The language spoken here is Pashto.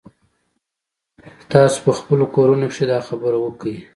تاسو په خپلو کورونو کښې دا خبره وکئ.